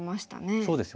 そうですよね。